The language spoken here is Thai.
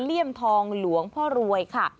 เลี่ยมทองหลวงพ่อรวยค่ะ